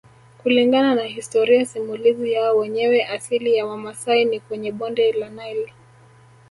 Kulingana na historia simulizi yao wenyewe asili ya Wamasai ni kwenye bonde la Nile